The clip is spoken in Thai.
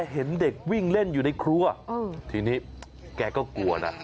เห็นเด็กวิ่งเล่นอยู่ในครัวทีนี้แกก็กลัวนะ